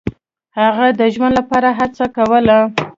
هغه د ژوند لپاره هڅه کوله.